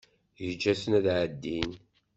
Yeǧǧa-ten ad ɛeddin.